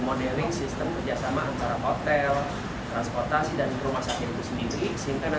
modeling sistem kerjasama antara hotel transportasi dan rumah sakit itu sendiri sehingga